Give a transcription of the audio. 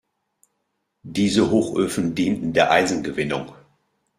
Diese Hochöfen dienten der Eisengewinnung.